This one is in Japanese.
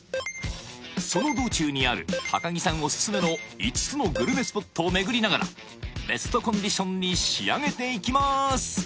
その道中にある高城さんおすすめの５つのグルメスポットを巡りながらベストコンディションに仕上げていきます！